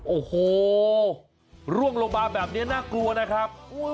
โอ้โหร่วงลงมาแบบนี้น่ากลัวนะครับ